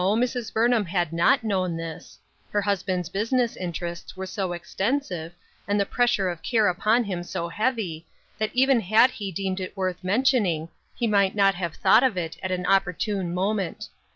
NO, Mrs. Burnham had not known this. Her husband's business interests were so exten sive, and the pressure of care upon him so heavy, that even had he deemed it worth mentioning, he might not have thought of it at an opportune moment.